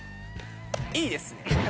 いいですね。